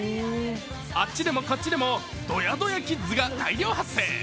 あっちでもこっちでもドヤドヤキッズが大量発生。